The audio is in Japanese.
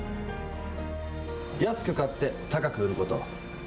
安く買って高く売ること。